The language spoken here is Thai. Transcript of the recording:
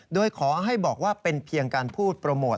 โดยขอให้บอกว่าเป็นเพียงการพูดโปรโมท